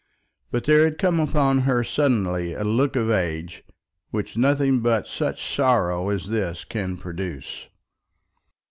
But there had come upon her suddenly a look of age, which nothing but such sorrow as this can produce.